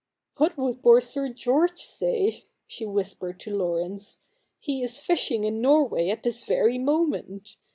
' What would poor Sir George say ?' she whispered to Laurence. ' He is fishing in Norway at this very moment.